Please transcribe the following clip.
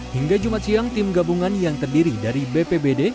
hingga jumat siang tim gabungan yang terdiri dari bpbd